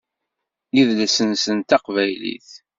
Idles-nsen d taqbaylit.